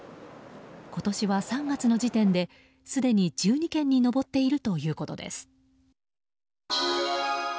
今年は３月の時点ですでに１２件に上っているということです。